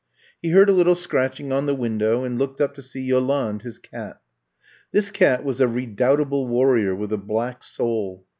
He heard a little scratching on the win dow and looked up to see Yolande, his cat. This cat was a redoubtable warrior with a black soul.